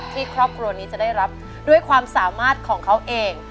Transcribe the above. ครอบครัวนี้จะได้รับด้วยความสามารถของเขาเอง